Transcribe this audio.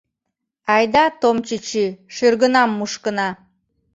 Айда, Том чӱчӱ, шӱргынам мушкына.